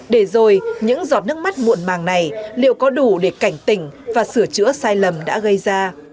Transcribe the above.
để rồi những giọt nước mắt muộn màng này liệu có đủ để cảnh tỉnh và sửa chữa sai lầm đã gây ra